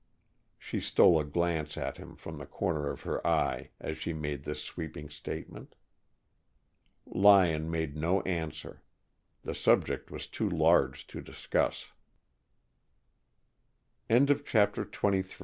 She stole a glance at him from the corner of her eye as she made this sweeping statement. Lyon made no answer. The subject was too large to discuss. CHAPTER XXIV Lyon would probably have